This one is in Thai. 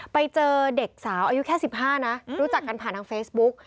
ไปเจอเด็กสาวอายุแค่๑๕นะรู้จักกันผ่านทางเฟซบุ๊ก